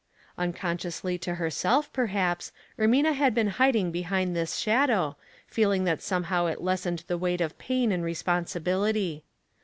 Unconsciously to herself, perhaps, Ermina had been hiding behind this shadow, feeling that somehow it lessened the weight of pain and responsibility.